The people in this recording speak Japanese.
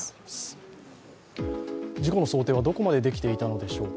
事故の想定はどこまでできていたのでしょうか。